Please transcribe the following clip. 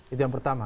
itu yang pertama